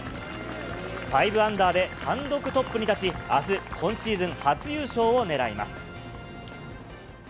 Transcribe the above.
５アンダーで単独トップに立ち、あす、今シーズン初優勝を狙います。